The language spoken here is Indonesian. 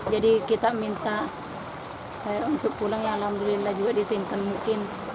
jadi kita minta untuk pulang ya alhamdulillah juga disiinkan mungkin